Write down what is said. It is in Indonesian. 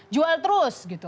jual terus gitu